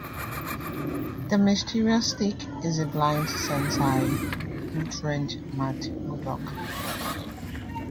The mysterious Stick is a blind sensei who trained Matt Murdock.